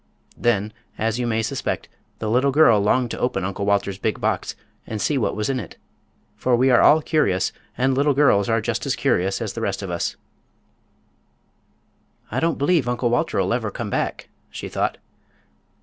Then, as you may suspect, the little girl longed to open Uncle Walter's big box and see what was in it. For we are all curious, and little girls are just as curious as the rest of us. "I don't b'lieve Uncle Walter'll ever come back," she thought.